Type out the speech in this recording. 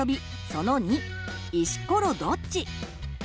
その２「石ころどっち？」。